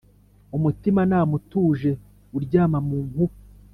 umutimanama utuje uryama mu nkuba.